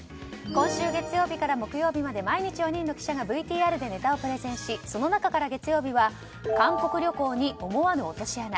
今週月曜日から木曜日まで毎日４人の記者がＶＴＲでネタをプレゼンしその中から月曜は韓国旅行に思わぬ落とし穴。